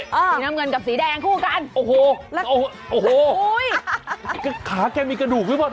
สีน้ำเงินกับสีแดงคู่กันโอ้โหโอ้โหขาแกมีกระดูกไว้บ้าง